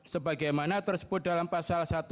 sebagaimana tersebut dalam pasal